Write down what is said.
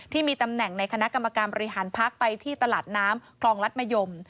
ที่มีตำแหน่งในคณะกรรมการบริหารพักไปที่ตลาดน้ำคลองรัฐมะยม